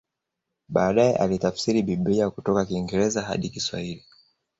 Baadae alitafsiri Biblia kutoka Kiingereza hadi Kiswahili